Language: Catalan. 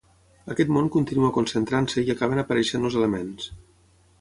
Aquest món continua concentrant-se i acaben apareixent els elements.